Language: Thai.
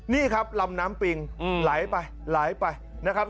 นี่ครับลำน้ำปิงไหลไปไหลไปนะครับ